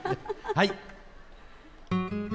はい。